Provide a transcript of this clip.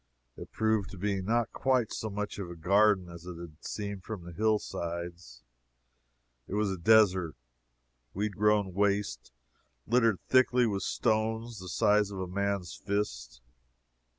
It proved to be not quite so much of a garden as it had seemed from the hill sides. It was a desert, weed grown waste, littered thickly with stones the size of a man's fist.